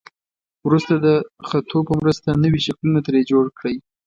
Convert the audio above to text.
وروسته د خطو په مرسته نوي شکلونه ترې جوړ کړئ.